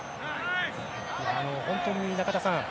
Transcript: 本当に中田さん